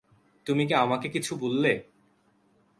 তুমি কি আমাকে কিছু বললে?